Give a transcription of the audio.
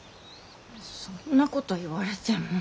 そんなこと言われても。